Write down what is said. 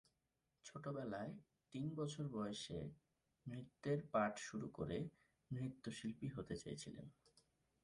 ছোটবেলায়, তিন বছর বয়সে নৃত্যের পাঠ শুরু করে নৃত্যশিল্পী হতে চেয়েছিলেন।